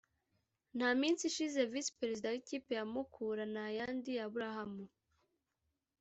nta minsi ishize Visi Perezida w’ikipe ya Mukura Nayandi Abraham